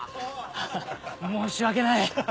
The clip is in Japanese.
ハハ申し訳ない。